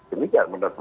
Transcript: ini tidak menurut saya